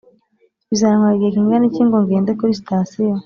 bizantwara igihe kingana iki ngo ngende kuri sitasiyo?